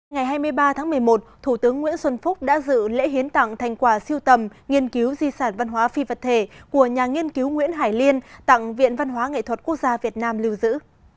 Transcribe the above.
ngày hai mươi ba tháng một mươi một thủ tướng nguyễn xuân phúc đã dự lễ hiến tặng thành quả siêu tầm nghiên cứu di sản văn hóa phi vật thể của nhà nghiên cứu nguyễn hải liên tặng viện văn hóa nghệ thuật quốc gia việt nam lưu giữ